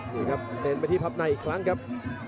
นี่ครับเน้นไปที่พับในอีกครั้งครับ